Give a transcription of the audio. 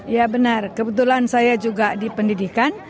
ya benar kebetulan saya juga dipendidikan